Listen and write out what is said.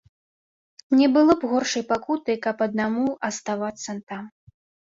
Не было б горшай пакуты, каб аднаму аставацца там.